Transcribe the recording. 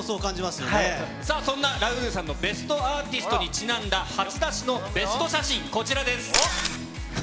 ラウールさんの『ベストアーティスト』にちなんだ初出しのベスト写真がこちらです。